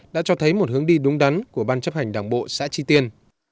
đã cho thấy một hướng đi đúng đắn của ban chấp hành đảng bộ xã tri tiên